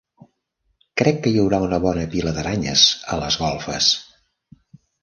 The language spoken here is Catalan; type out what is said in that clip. Crec que hi ha haurà una bona pila d'aranyes a les golfes.